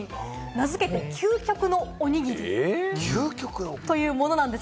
名づけて、究極のおにぎりというものなんです。